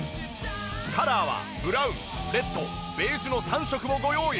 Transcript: カラーはブラウンレッドベージュの３色をご用意。